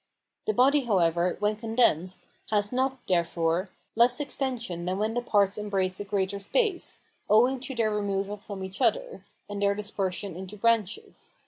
The body, however, when condensed, has not, therefore, less extension than when the parts embrace a greater space, owing to their removal from each other, and their dispersion into branches.